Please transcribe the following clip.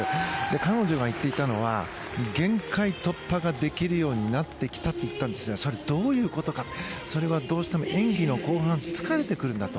彼女が言っていたのが限界突破ができるようになってきたと言ったんですがそれ、どういうことかそれはどうしても演技の後半疲れてくるんだと。